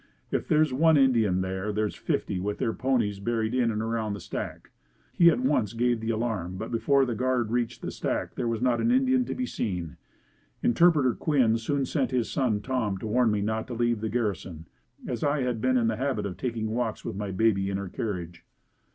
"If there's one Indian there, there's fifty with their ponies buried in and around the stack." He at once gave the alarm but before the guard reached the stack there was not an Indian to be seen. Interpreter Quinn soon sent his son, Tom, to warn me not to leave the garrison as I had been in the habit of taking walks with my baby in her carriage.